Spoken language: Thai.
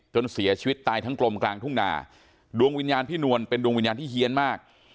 จนเสียชีวิตตายทั้งกลมกลางทุ่งนาดวงวิญญาณพี่นวลเป็นดวงวิญญาณที่เฮียนมาก